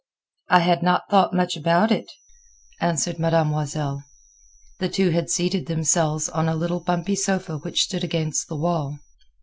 "I had not thought much about it," answered Mademoiselle. The two had seated themselves on a little bumpy sofa which stood against the wall.